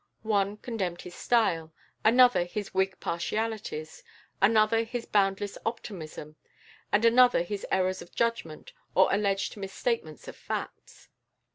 One condemned his style, another his Whig partialities, another his boundless optimism, and another his errors of judgment or alleged misstatements of facts.